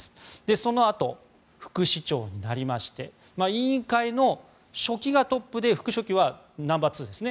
そのあと、副市長になりまして委員会の書記がトップで副書記はナンバーツーですね。